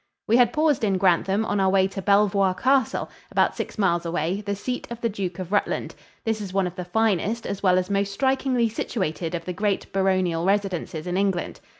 We had paused in Grantham on our way to Belvoir Castle, about six miles away, the seat of the Duke of Rutland. This is one of the finest as well as most strikingly situated of the great baronial residences in England.